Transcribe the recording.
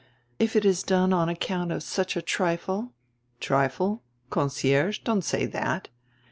If it is done on account of such a trifle " "Trifle? Concierge? Don't say that."